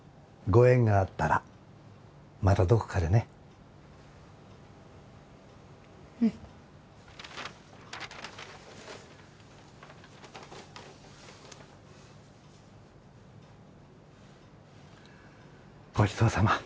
ご縁があったらまたどこかでねうん